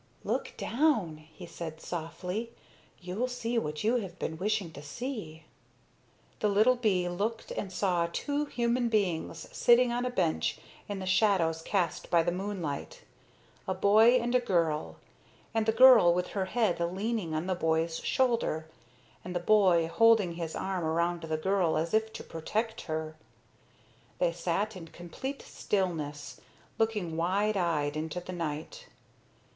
"Look down," he said softly, "you'll see what you have been wishing to see." The little bee looked and saw two human beings sitting on a bench in the shadows cast by the moonlight a boy and a girl, the girl with her head leaning on the boy's shoulder, and the boy holding his arm around the girl as if to protect her. They sat in complete stillness, looking wide eyed into the night.